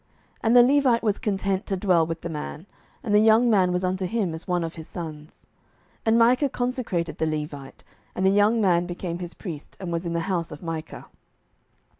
07:017:011 And the Levite was content to dwell with the man; and the young man was unto him as one of his sons. 07:017:012 And Micah consecrated the Levite; and the young man became his priest, and was in the house of Micah.